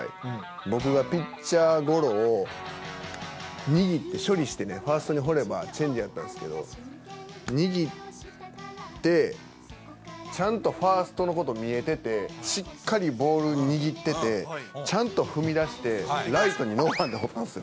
僕がピッチャーゴロを握って処理してね、ファーストに放ればチェンジだったんですけど、握って、ちゃんとファーストのこと見えてて、しっかりボール握ってて、ちゃんと踏み出して、ライトにノーバンでほうったんですよ。